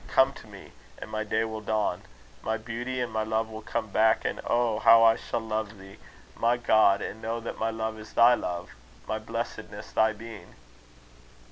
Come to me, and my day will dawn. My beauty and my love will come back; and oh! how I shall love thee, my God! and know that my love is thy love, my blessedness thy being.'"